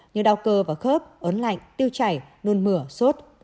như đau cơ và khớp ớn lạnh tiêu chảy nôn mửa sốt